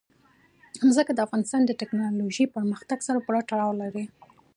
ځمکه د افغانستان د تکنالوژۍ پرمختګ سره پوره تړاو لري.